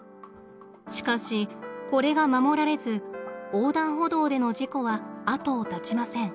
しかしこれが守られず横断歩道での事故は後を絶ちません。